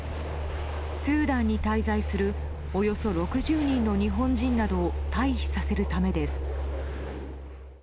スーダンに滞在するおよそ６０人の日本人などを退避させるためです。